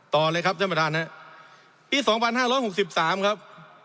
ต่อเลยครับเจ้าประธานนะปีสองพันห้าร้อยหกสิบสามครับ